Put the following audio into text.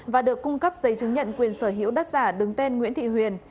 và được cung cấp giấy chứng nhận quyền sở hữu đất giả đứng tên nguyễn thị huyền